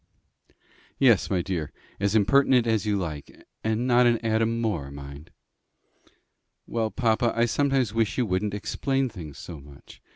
"Yes, my dear, as impertinent as you like not an atom more, mind." "Well, papa, I sometimes wish you wouldn't explain things so much.